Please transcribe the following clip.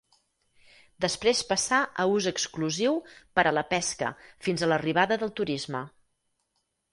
Després passà a ús exclusiu per a la pesca fins a l'arribada del turisme.